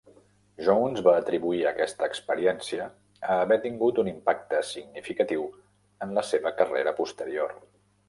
Jones va atribuir aquesta experiència a haver tingut un impacte significatiu en la seva carrera posterior.